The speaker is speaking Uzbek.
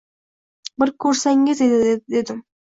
Bir ko’rsangiz edi dedim